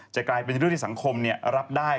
จะกลายเป็นเรื่องที่สังคมรับได้